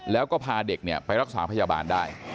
แล้วก็พาเด็กไปรักษาพยาบาลได้